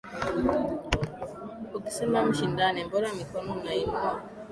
Ukisema mshindane mbona mikono unainua?